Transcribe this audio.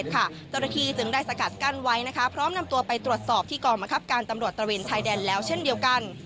เจ้าหน้าที่จึงได้สกัดกั้นไว้พร้อมนำตัวไปตรวจสอบที่กองบังคับการตำรวจตระเวนชายแดนแล้วเช่นเดียวกัน